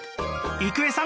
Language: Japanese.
郁恵さん